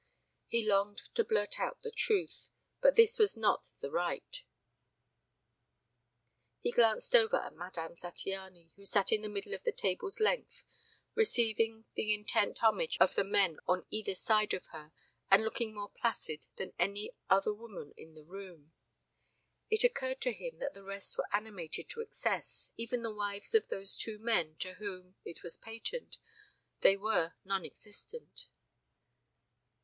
He longed to blurt out the truth. But his was not the right. He glanced over at Madame Zattiany, who sat in the middle of the table's length, receiving the intent homage of the men on either side of her and looking more placid than any other woman in the room. ... It occurred to him that the rest were animated to excess, even the wives of those two men, to whom, it was patent, they were non existent.